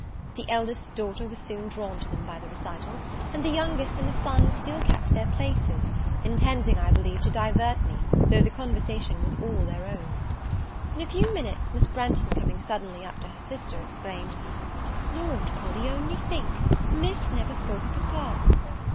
The eldest daughter was soon drawn to them by the recital; the youngest and the son still kept their places; intending, I believe, to divert me, though the conversation was all their own. In a few minutes, Miss Branghton coming suddenly up to her sister, exclaimed, "Lord, Polly, only think! Miss never saw her papa!"